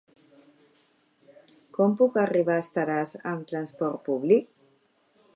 Com puc arribar a Estaràs amb trasport públic?